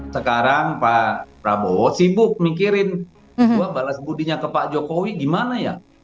sekarang pak prabowo sibuk mikirin coba balas budinya ke pak jokowi gimana ya